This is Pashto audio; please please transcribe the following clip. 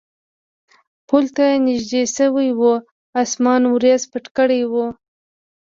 پل ته نږدې شوي و، اسمان وریځو پټ کړی و.